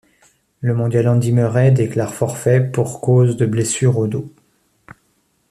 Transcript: Le mondial Andy Murray déclare forfait pour cause de blessure au dos.